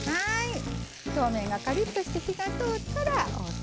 表面がカリッとして火が通ったらオーケーです。